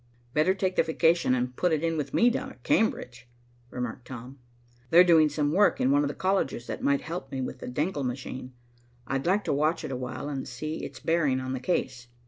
"Better take the vacation, and put it in with me down at Cambridge," remarked Tom. "They're doing some work in one of the colleges that might help me with the Denckel machine. I'd like to watch it awhile, and see its bearing on the case.